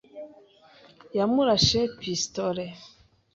Yamurashe pistolet.